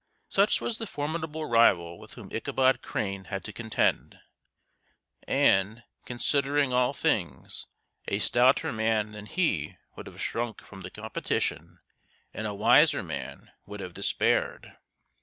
Such was the formidable rival with whom Ichabod Crane had to contend, and, considering all things, a stouter man than he would have shrunk from the competition and a wiser (*)man would have despaired.